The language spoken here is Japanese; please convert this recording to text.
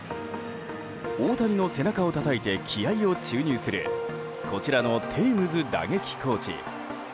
大谷の背中をたたいて気合を注入するこちらのテームズ打撃コーチ。